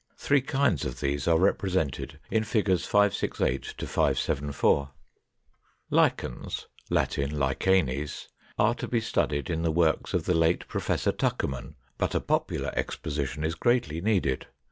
Three kinds of these are represented in Fig. 568 574. 515. =Lichens=, Latin Lichenes, are to be studied in the works of the late Professor Tuckerman, but a popular exposition is greatly needed.